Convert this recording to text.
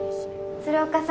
鶴岡さん？